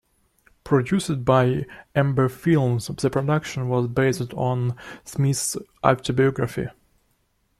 Produced by Amber Films, the production was based on Smith's autobiography.